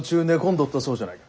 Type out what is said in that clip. どったそうじゃないか。